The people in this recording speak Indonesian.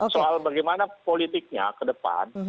soal bagaimana politiknya ke depan